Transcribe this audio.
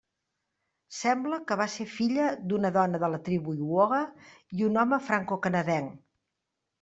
Sembla que va ser filla d'una dona de la tribu Iowa i un home francocanadenc.